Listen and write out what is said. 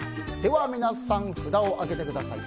皆さん、札を上げてください。